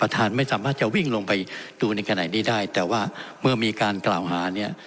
ท่านไม่สามารถจะวิ่งลงไปดูในขณะนี้ได้แต่ว่าเมื่อมีการกล่าวหาเนี่ย